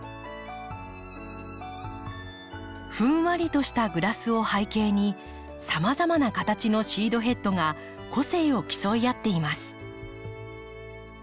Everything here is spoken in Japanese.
ふんわりとしたグラスを背景にさまざまな形のシードヘッドが個性を競い合っています。